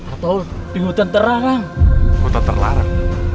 atau di hutan terlarang